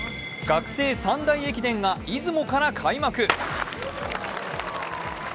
学生三大駅伝が出雲から開幕。